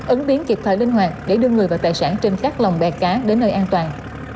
ứng biến kịp thời linh hoạt để đưa người và tài sản trên các lòng bè cá đến nơi an toàn